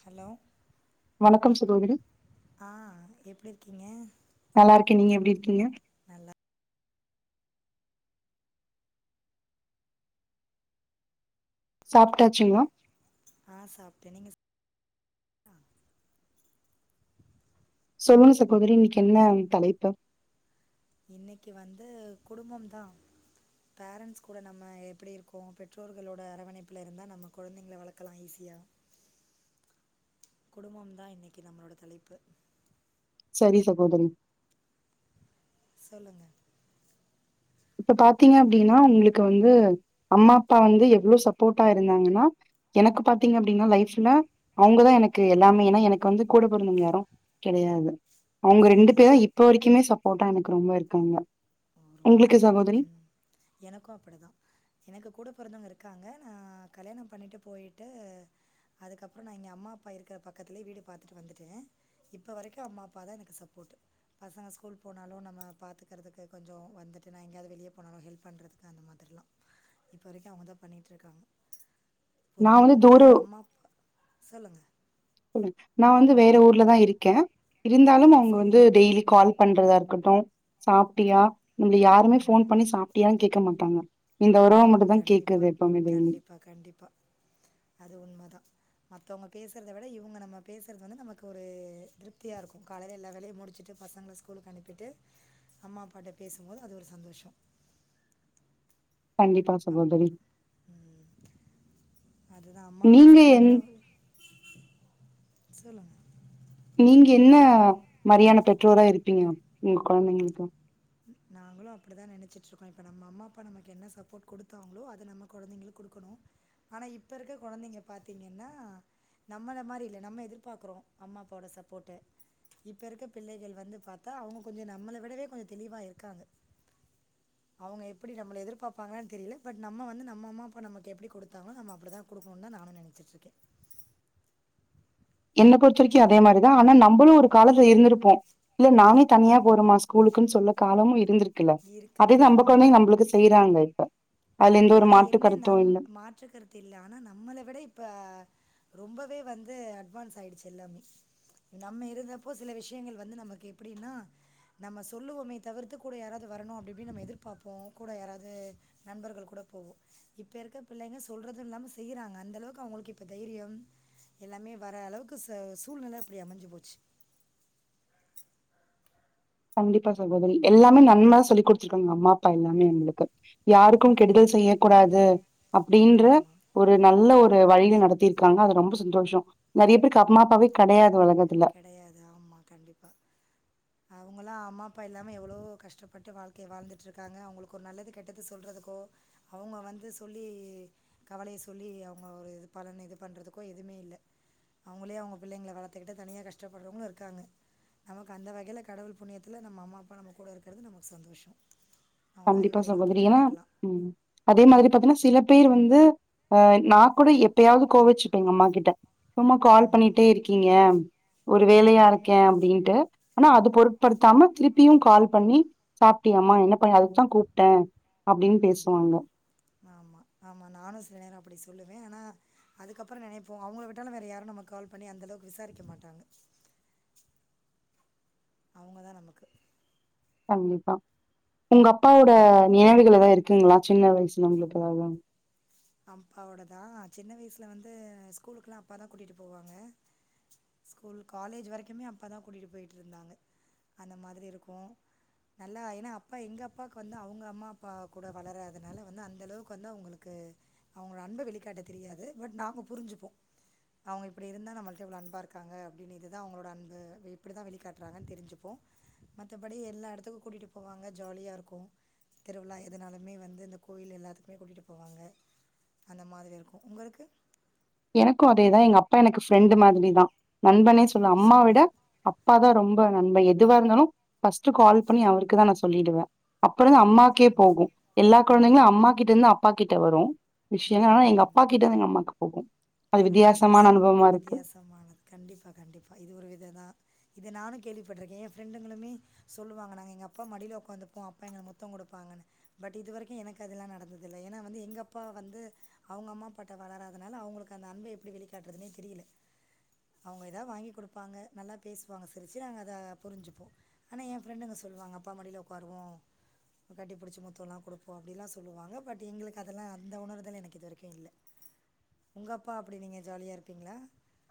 Hello வணக்கம் சகோதரி ஆ எப்பிடி இருக்கீங்க நல்லா இருக்கே நீங்க எப்படி இருக்கீங்க நல்லா சாப்டாச்சுங்ளா ஆ சாப்ட்டே நீங்க சொல்லுங்க சகோதரி இன்னைக்கு என்ன தலைப்பு இன்னைக்கு வந்து குடும்பம் தா பேரண்ட்ஸ் கூட நம்ம எப்டி இருக்கோ பெற்றோர்களோட அரவணைப்புல இருந்தா நம்ம கொழந்தைங்கள வளக்கலா ஈஸியா குடும்பம் தா இன்னைக்கு நம்மளோட தலைப்பு சரி சகோதரி சொல்லுங்க இப்ப பாத்தீங்க அப்டின்னா உங்களுக்கு வந்து அம்மா அப்பா வந்து எவ்ளோ சப்போட்டா இருந்தாங்கன்னா எனக்கு பாத்திங்க அப்டின்னா லைஃப்ல அவங்கதா எனக்கு எல்லாமே ஏனா எனக்கு வந்து கூட பொருந்தவங்க யாரு கெடையாது அவங்க ரெண்டு சரி பேரு இப்ப வரைக்குமே சப் போட்டா எனக்கு ரொம்ப இருக்காங்க ஓ ரொம்ப உங்களுக்கு நல்லது சகோதரி ம் எனக்கு அப்டிதா எனக்கு கூட பொறந்தவங்க இருக் காங்க நா கல்யாணொ பண்ணிட்டு போயிட்டு அதுக்கப்புறொ நா இங்க அம்மா அப்பா இருக்குற பக்கத்துலேயே வீடு பாத்துட்டு வந்துட்டே இப்போ வரைக்கு அம்மா அப்பா தா எனக்கு சப்போட் பசங்க ஸ்கூல் போனாலு நம்ம பாத்துக்குறதுக்கு கொஞ்சோ வந்துட்டு நா எங்கேயாவது வெளியே போனாலு ஹெல்ப் பண்றதுக்கு அந்த மாதிரிலா இப்போ வரைக்கு அவங்க தா பண்ணிட்ருக்காங்க நா பொதுவா வந்து தூர அம்மாப் சொல்லுங்க ம் நா வந்து வேற ஊர்லதா இருக்கே ஆ இருந்தாலும் அவங்க சரி வந்து டெய்லி கால் பண்றதா இருக்கட்டு சாப்ட்டியா இங்க யாருமே ஃபோன் பண்ணி சாப்டியா கேக் க மாட்டாங்க இந்த உறவு ஆமா மட்டுந்தா கண்டிப்பா கேக்குது எப்பவுமே டெய்லி கண்டிப்பா கண்டிப்பா அது உண்மதா மத் தவங்க பேசுறத விட இவங்க நம்ம பேசுறது வந்து நமக்கு ஒரு திருப்தியா இருக்கு காலையில எல்லா வெலையு முடிச்சுட்டு பசங்கள ஸ்கூலுக்கு அனுப்பிட்டு அம்மா அப்பாட்ட பேசும்போது அது ஒரு சந்தோஷொ கண்டிப்பா சுகோதரி ம். அதுதான் அம்மா, அப்பா நீங்க என் சப்போர்ட்டு தான் சொல்லுங்க நீங்க என்ன மாரியான பெற்றோரா இருப்பீங்க உங்க கொழந்தைங்களுக்கு ந் நாங்களு அப்டிதா நெனச்சிட்ருக்கோ இப்ப நம்ம அம்மா அப்பா நமக்கு என்ன சப்போட் கொடுத்தாங்களோ அத நம்ம கொழந்தைங்களுக்கு கொடுக்கணு ஆனா இப்ப இருக்க கொழந்தைங்க பாத்தீங்கன்னா நம்மள மாரி இல்ல நம்ம எதிர்பார்க்கறோ அம்மா அப்பாவோட சப்போட்டு இப்ப இருக்க பிள்ளைகள் வந்து பாத்தா அவங்க கொஞ்சொ நம்மள விடவே கொஞ்சோ தெளிவா இருக்காங்க அவங்க எப்டி நம்மள எதிர்பார்ப்பாங்கனு தெரில பட் நம்ம வந்து நம்ம அம்மா அப்பா நமக்கு எப்டி கொடுத்தாங்களோ நம்ம அப்டிதா கொடுக்கணுனு தா நானு நெனச்சிட்ருக்கே என்ன பொறுத்த வரைக்கு அதே மாரிதா ஆனா நம்பளு ஒரு காலத்துல இருந்திருப்போ இல்ல நானே தனியா போறோமா ஸ்கூலுக்குன்னு சொல்ல காலமு இருந்திருக் குல இருக்கு. அதே நம்ப ம். கொழந்தைங்க நம்ளுக்கு செய்றாங்க இப்ப அதுல எந்த ஆமா ஒரு ஆனா மாற்று என்ன கருத்து நம் இல்ல மாற்ற கருத்து இல்ல ஆனா நம்மள விட இப்ப ரொம்பவே வந்து அட்வான்ஸ் ஆயிடுச்சு எல்லாமே நம்ம இருந்தப்போ சில விஷயங்கள் வந்து நமக்கு எப்டின்னா நம்ம சொல்லுவோமே தவிர்த்து கூட யாராவது வரணு அப்டி இப்டி நம்ம எதிர்பார்ப்போ கூட யாராவது நண்பர்கள் கூட போவோ இப்ப இருக்க பிள்ளைங்க சொல்றதும் இல்லாம செய்றாங்க அந்த அளவுக்கு அவங்களுக்கு இப்ப தைரியம் எல்லாமே வர அளவுக்கு ச சூழ்நில அப்டி அமஞ்சு போச்சு கண்டிப்பா சகோதரி எல்லாமே நன்மையா சொல்லி கொடுத்துருக்காங்க அம்மா அப்பா எல்லாமே எங்களுக்கு யாருக்கு ஆமா, கெடுதல் செய்ய கூடாது அப்டின்ற ஆமா. ஒரு நல்ல வ வழியில நடத்திருக்காங்க அது ரொம்ப சந்தோஷ நெறையா பேருக்கு அம்மா அப்பாவே கெடையா கெடையாது ஆமா கண்டிப்பா அவங்களா அம்மாப் பா இல்லாம எவ்வளளோ கஷ்டப்பட்டு வாழ்க்கைய வாழ்ந்துட்டு இருக்காங்க அவுங்களுக்கு ஒரு நல்லது கெட்டது சொல்றதுக்கோ அவுங்க வந்து சொல்லி கவலைய சொல்லி அவுங்க ஒரு இது பலன் இது பண்ணுறதுக்கோ எதுவுமே இல்ல அவுங்களே அவுங்க பிள்ளைங்கள வளத்துக்குட்டு தனியாக கஷ்டப்படுறவங்களு இருக்காங்க நமக்கு அந்த வகையில கடவுள் புண்ணியத்துல நம்ம அம்மா அப்பா நம்ம கூட இருக்குறது நமக்கு சந்தோஷொ கண்டிப்பா சகோதரி ஏனா ம் அதே மாதிரி பாத்தீங்கன்னா சில பேர் வந்து அ நா கூட எப்பயாவது கோவச்சிப்பே எங்க அம்மா கிட்ட சும்மா கால் ம் பண்ணிட்டே இருக்கீங்க ஒரு வேலையா ம் இருக்கே அப்டின்ட்டு ஆனா அது பொருட்படுத்தாம திருப்பியு கால் பண்ணி சாப்ட்டியாமா என்ன உன்னைய அதுக்குத்தா கூப்ட்டே அப்டின்னு ம் பேசுவாங்க ஆமா ஆமா நானு சில நேர அப்பிடி சொல்லுவே ஆனா அதுக்கப்புற நெனைப்போ அவுங்கள விட்டாலு வேற யாரு நமக்கு கால் பண்ணி அந்த அளவுக்கு விசாரிக்க மாட்டாங்க அவுங்க தா நமக்கு கண்டிப்பா உங்க அப்பாவோட நினைவுகள் எதாது இருக்கீங்களா சின்ன வயசுல உங்குளுக்கு எதாவது அப்பாவோடதா சின்ன வயசில வந்து ஸ்கூலுக்கலா அப்பா தா கூட்டிட்டு போவாங்க ஸ்கூல் காலேஜ் வரைக்குமே அப்பா தா கூட்டிட்டு போயிட்டு இருந்தாங்க அந்த மாதிரி இருக்கு நல்லா ஏன்னா அப்பா எங்க அப்பாக்கு வந்து அவுங்க அம்மா அப்பா கூட வளராதுனால வந்து அந்தளவுக்கு வந்து அவுங்களுக்கு அவுங்களோட அன்ப வெளிக்காட்டத் தெரியாது பட் நாங்க புரிஞ்சுப்போ அவங்க இப்படி இருந்தா நம்மள்ட்ட எவ்வளோ அன்பா இருக்காங்க அப்படினு இது தா அவங்களோட அன்பு இப்படிதா வெளிக்காட்டுறாங்கன்னு தெரிஞ்சுப்போ மத்தபடி எல்லா எடத்துக்கு கூட்டிட்டு போவாங்க ஜாலியா இருக்கு திருவிழா எதுனாலுமே வந்து இந்த கோயில் எல்லாத்துக்குமே கூட்டிட்டு போவாங்க அந்த மாதிரி இருக்கு உங்களுக்கு எனக்கு அதேதா எங்க அப்பா எனக்கு ஃப்ரெண்டு் மாதிரி தா நண்பனே ஓ சொல்வ அம்மா விட சூப்பர் அப்பாதா ரொம்ப நம்ப எதுவா இருந்தாலு ஃபஸ்ட்டு கால் பண்ணி அவுருக்கு தா நா சொல்லிடுவே அப்புறந்தா பரவாயில்ல அம்மாக்கே போகு எல்லா ம் கொழந்தைங்களு அம்மா கிட்ட இருந்து அப்பா கிட் கிட்டவரு விஷயன்னா எங்க அப்பா கிட்ட இருந்து எங் கம்மாக்கு போகு அது பரவால்ல இது வித்தியாசமான சூ அனுபவமா இருக்கு வித்தியாசமானது கண்டிப்பா கண்டிப்பா இது ஒரு வித இதா இத நானு கேள்விப்பட்ருக்கே எ ஃப்ரெண்டுங்களுமே சொல்லுவாங்க நாங்க எங்க அப்பா மடியில உக்காந்துப்போ அப்பா எங்கள முத்த குடுப்பாங்கன்னு பட் இதுவரைக்கு எனக்கு அதெல்லா நடந்தது இல்ல ஏன்னா வந்து எங்க அப்பா வந்து அவுங்க அம்மா அப்பாட்ட வளராதுனால அவுங்களுக்கு அந்த அன்ப எப்படி வெளிக்காட்டுறதுனே தெரியல அவங்க எதாவது வாங்கி குடுப்பாங்க நல்லா பேசுவாங்க சிரிச்சு நாங்க அத புரிஞ்சுப்போ ஆனா எ ஃப்ரெண்டுங்க சொல்லுவாங்க அப்பா மடில உக்காருவோ கட்டி பிடிச்சி முத்தல்லா குடுப்போ அப்படிலா சொல்லுவாங்க பட் எங்களுக்கு அதெல்லா அந்த உணர்தலு எனக்கு இது வரைக்கு இல்ல உங்க அப்பா அப்படி நீங்க ஜாலியா இருப்பீங்களா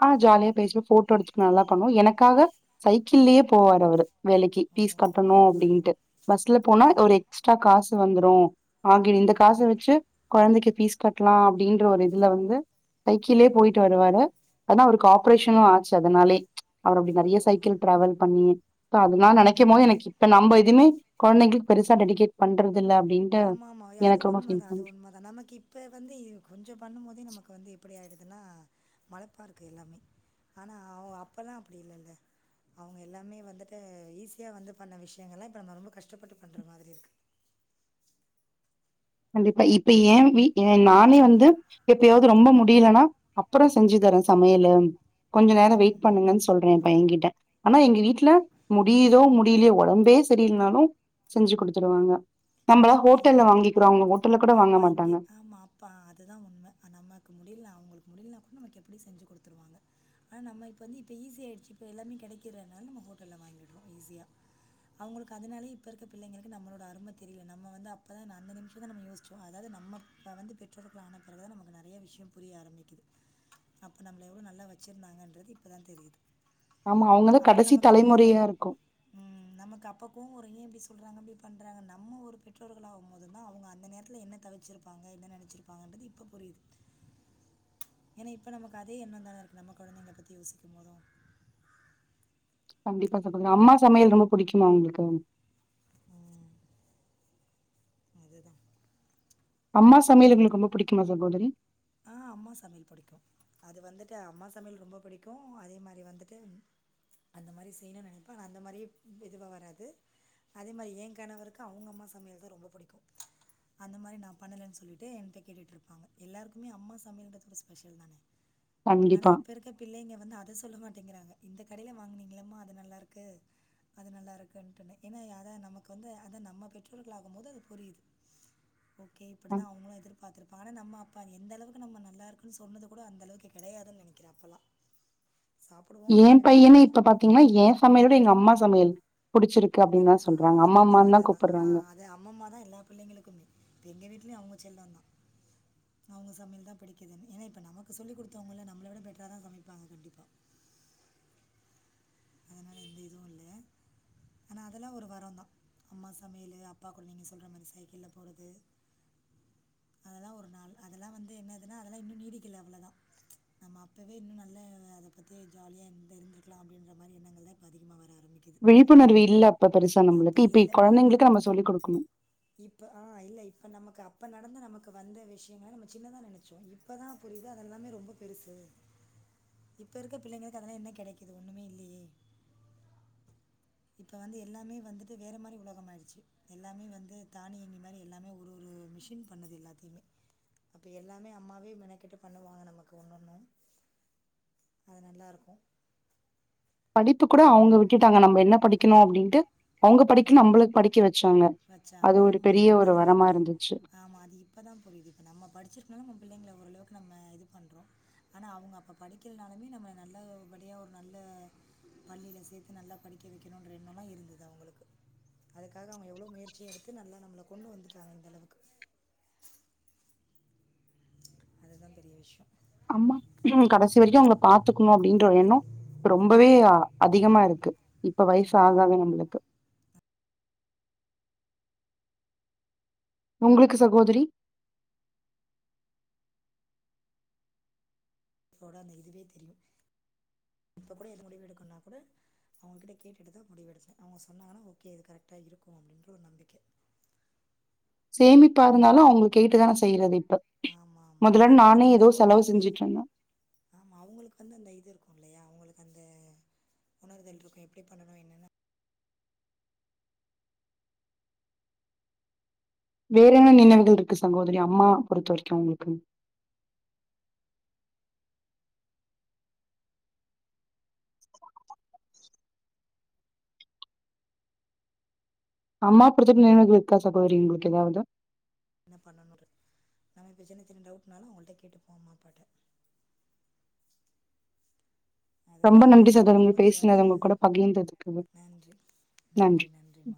அ ஜாலியா பேசுவோ ஃபோட்டோ எடுத்துட்டு அதல்லா பண்ணுவோ எனக்காக சைக்கிள்ளயே போவாரு அவுரு வேலைக்கு ஓ ஃபீஸ் கட்டணு பரவாயில்ல அப்படின்ட்டு பஸ்ல போனா ம் ஒரு எக்ஸ்ட்ரா காசு வந்துரு ஆங்கினி இந்த காச வச்சு கொழந்தைக்கு ஃபீஸ் கட்டலா அப்படின்ற ஒரு இதுல வந்து சைக்கிள்லே போயிட்டு வருவாரு ஆனா அவருக்கு ஆபரேஷனு ஆச்சு அதனாலே அவுரு அப்பிடி ஓ நறையா சைக்கிள் டிராவல் பண்ணி அதெல்லா அந்த நெனைக்கும் போது எனக்கு மாதிரி இப்ப நம்ப எதுமே கொழந்தைங்களுக்கு பெருசா டெடிகேட் பண்றது இல்ல அப்டின்ட்டு ஆமா ஆமா அது எனக்கு ரொம்ப ஃபீல் உண்மைதா பண்ற அது உண்மைதா நமக்கு இப்ப வந்து கொஞ்சம் பண்ணும் போதே நமக்கு வந்து எப்படி ஆயிடுது னா மலப்பாருக்கு எல்லாமே ஆனா அவுங்க அப்பல்லா அப்பிடி இல்லல்ல அவுங்க எல்லாமே வந்துட்டு ஈஸியா வந்து பண்ண விஷயங்கள்லா இப்போ நம்ம ரொம்ப கஷ்டப்பட்டு பண்ற மாதிரி இருக்கு கண்டிப்பா இப்ப ஏ வீ நானே வந்து எப்பயாது ரொம்ப முடியலனா அப்புற செஞ்சு தரே சமையலு கொஞ்ச நேர வெயிட் ம். பண்ணுங்கன்னு சொல்றே எம் பையகிட்ட ஆனா எங்க வீட்ல முடியுதோ முடியலையோ ஒ டம்பே சரியில்லனாலு செஞ்சு குடுத்துருவாங்க நம்மளா இப் ஹோட்டல்ல வாங்கி ஆமா இங்கே ஆமா அப்பா அதுதா உண்மை ஆ நமக்கு முடியல அவங்களுக்கு முடிலினா கூட நமக்கு எப்படியு செஞ்சு குடுத்துருவாங்க ஆனா நம்ம இப்ப வந்து இப்ப ஈசி ஆயிடுச்சு இப்ப எல்லாமே கெடைக்குது அதனால நம்ம ஹோட்டல்ல வாங்கிடுறோ ஈஸியா அவுங்களுக்கு அதனாலயே இப்ப இருக்க பிள்ளைங்களுக்கு நம்மளோட அரும தெரி இல்ல நம்ம வந்து அப்பதா நா அந்த நிமிஷந்தா நம்ம யோசிச்சோ அதாவது நம்ம இப்ப வந்து பெற்றோர்கள் ஆன பிறகு தா நமக்கு நறைய விஷய புரிய ஆரம்பிக்குது அப்போ நம்மள எவ்ளோ நல்லா வச்சிருந்தாங்கன்றது இப்ப தா தெரியுது ஆமா அவங்கதான் அப்ப கடைசி நமக்கு கோவ தலைமுறையா வரு இருக்கும் ம் நமக்கு அப்ப கோவ வரு அப்புறோ ஏ இப்டி சொல்றாங்க அப்டி பண்றாங்கன்னா நம்ம ஒரு பெற்றோர்களாகும் போதுதா அவுங்க அந்த நேரத்தில் என்ன தவச்சிருப்பாங்க என்ன நெனச்சிருப்பாங்கன்றது இப்போ புரியுது ஏன்னா இப்ப நமக்கு அதே எண்ணோந்தானே இருக்கு நம்ம குழந்தைகள பத்தி யோசிக்கும்போது கண்டிப்பா சகோதரி அம்மா சமையல் ரொம்ப பிடிக்குமா உங்களுக்கு அதுதா அம்மா சமயல் உங்களுக்கு ரொம்ப புடிக்குமா சகோதரி ஆ அம்மா சமயல் புடிக்கு அது வந்துட்டு அம்மா சமயல் ரொம்ப புடிக்கு அதே மாரி வந்துட்டு அந்த மாரி செய்யணுனு நெனப்ப ஆனா அந்த மாரியே இதுவா வராது அதே மாரி என் கணவருக்கு அவுங்க அம்மா சமயல்தா ரொம்ப புடிக்கு அந்த மாரி நா பண்ணலன்னு சொல்ட்டு என்கிட்ட கேட்டுட்டு இருப்பாங்க எல்லாருக்கு எப்போமே அம்மா சமயல் என்றது ஸ்பெசல் தானே ஆனா கண்டிப்பா இப்ப இருக்க பிள்ளைங்க வந்து அத சொல்ல மா ட்டிங்கிறாங்க இந்த கடைல வாங்கினீங்கள்ளமா அது நல்லா இருக்கு அது நல்லா இருக்குன்ட்டுனு ஏனா யாரா நமக்கு வந்து அத நம்ம பெற்றோர்கள் ஆகும்போது அது புரியுது ஓகே இப்படிதா அஹ் அவுங்களு எதிர் [unintelligible] பாரு எந்த அளவுக்கு நம்ம நல்லா இருக்குன்னு சொன்னது கூட அந்த அளவுக்கு கெடையாதுன்னு நெனைக்கிறேன் அப்பெல்லா ஏன் பையன்னே இப்ப பாத்தீங்கன்னா ஏன் சமையல விட எங்க அம்மா சமையல் புடிச்சிருக்கு அப்படின்னு நல்ல தான் ஆ சொல்றாங்க அம்மா அதுதா அம்மான்னு தான் அதுதா ஆ கூப்பிடுறாங்க அது அம்மம்மாதா எல்லா பிள்ளைங்களுக்குமே இப்ப எங்க வீட்டுலயு அவுங்க செல்லொந்தா அவுங்க சமையல்தா பிடிக்குதுனு ஏனா இப்போ நமக்கு சொல்லிக் குடுத்தவங்கள நம்மள விட பெட்டராதா சமைப்பாங்க கண்டிப்பாக ஆமா நா எந்த இதுவு இல்லயே ஆனா அதெல்லா ஒரு வரோந்தா அம்மா சமையலு அப்பா கூட நீங்க சொல்ற மாரி சைக்கிள்ள போறது அதெல்லா ஒரு நாள் அதெல்லா வந்து என்னதுன்னா அதெல்லா இன்னு நீடிக்கல அவ்ளவுதா நம்ம அப்பவே இன்னு நல்ல அதை பத்தி ஜாலியா எந்த இருந்திருக்கலா அப்டின் ற மாரி எண்ணங்கள்தா இப்ப அதிகமா வர விழிப்புணர்வு இல்ல அப்ப பெருசா அப்போ நம்மளுக்கு இப்ப இல்லை அப்போ கொழந்தைங்களுக்கு நம்ம சொல்லி குடுக்கணு இப்ப நடந்த நமக்கு வந்த விஷ்யங்கள நம்ம சின்னதா நினைச்சோ இப்பதா புரியுது அதெல்லாமே ரொம்ப பெருசு இப்ப இருக்க பிள்ளைங்களுக்கு அதெல்லா என்ன கெடைக்குது ஒன்னுமே இல்ல இப்ப வந்து எல்லாமே வந்துட்டு வேற மாரி உலகம் ஆயிருச்சு எல்லாமே வந்து தானியங்கி மாரி எல்லாமே ஒரு ஒரு மிஷின் பண்ணுது எல்லாத்தையுமே அப்ப எல்லாமே அம்மாவே மெனக்கெட்டு பண்ணுவாங்க நமக்கு ஒண்ணொண்ணு அது நல்லாருக்கு இப்ப கூட அவுங்க விட்டுட்டாங்க நம்ம என்ன படிக்கணு அப்டின்ட்டு அவங்க படிக்கணு ம் நம்மளுக்கு படிக்க வச்சாங்க வெச்சாங்க அது ஒரு ஆமா பெரிய அந்த ஒரு வரமா அளவுக்கு இருந்துச்சு ஆமா அது இப்பதான் புரியுது இப்ப நம்ம படிச்சிருக்கலும் நம்ம பிள்ளைங்கல ஓரளவுக்கு நம்ம இது பண்றோம் ஆனா அவுங்க அப்போ படிக்கிலனாலுமே நம்ம நல்லபடியா ஒரு நல்ல பள்ளியில சேத்து நல்லா படிக்க வெக்கணுன்ற எண்ணொல்லா இருந்தது அவுங்களுக்கு அதுக்காக அவுங்க எவ்வளவு முயற்சியை எடுத்து நல்லா நம்மள கொண்டு வந்துட்டாங்க இந்த அளவுக்கு அதுதான் பெரிய விஷ்யோ அம்மா கடைசி வரைக்கு அவுங்கள பாத்துக்கணு அப்டின்ற ஒரு எண்ணோ ரொம்பவே அதிகமா இருக்கு இப்ப வயசு ஆக ஆமாம் ஆக நம்மளுக்கு உங்களுக்கு சகோதரி இப்ப கூட அந்த இதுவே தெரியு இப்ப கூட எந்த முடிவு எடுக்கணுனா கூட அவுங்ககிட்ட கேட்டுட்டுதா முடிவு எடுப்பேன் அவுங்க சொன்னாங்கன்னா ஓகே இது கரெக்டா இருக்கு அப்படின்ற ஒரு நம்பிக்க சேமிப்பா இருந்தாலு அவுங்கள கேட்டுதானே செய்யறது இப்ப ஆமாமா முதல்ல கரெக்ட்டுதா நானே ஏனா ஏதோ செலவு அவுங்களுக்கு செஞ்சுட்டு இருந்தே ஆமா அவுங்களுக்கு வந்து அந்த இது இருக்கு இல்லயா அவுங்களு அந்த உணர்தல் இருக்கு எப்டி பண்ணணு என்னனு வேற என்ன நினைவுகள் இருக்கு சகோதரி அம்மா பொறுத்த வரைக்கு உங்களுக்கு அம்மா பொறுத்து நினைவுகள் இருக்கா சகோதரி உங்களுக்கு எதாவது என்ன பண்ணனுன்றது நம்ம இப்ப சின்ன சின்ன டவுட்னாலு அவுங்கள்ட்ட கேட்டுப்போ அம்மா அப்பாட்ட ரொம்ப அதுதான் நன்றி எப்பயுமே ஒரு சகோதரி உங்க குடும்பத்துக்கு வந்து பேசினது உங்க கூட பகிர்ந்ததுக்கு நன்றி நன்றி ம்